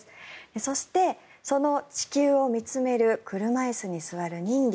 そして、その地球を見つめる車椅子に座る人魚。